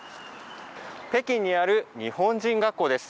北京にある日本人学校です。